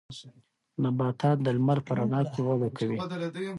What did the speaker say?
نباتات د لمر په رڼا کې وده کوي.